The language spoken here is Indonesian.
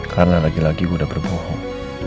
karena lagi lagi ku udah berbohong